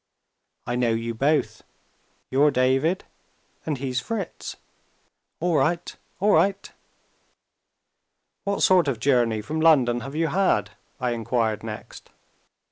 I know you both. You're David, and he's Fritz. All right! all right!" "What sort of journey from London have you had?" I inquired next.